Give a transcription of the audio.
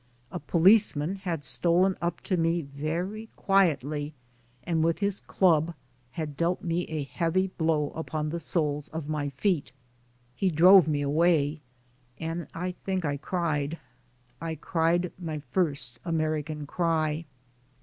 A policeman had stolen up to me very quietly and with his club had dealt me a heavy blow upon the soles of my feet. He drove me away, and I think I cried ; I cried my first American cry.